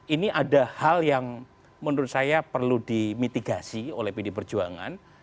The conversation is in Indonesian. ini ada hal yang menurut saya perlu dimitigasi oleh pd perjuangan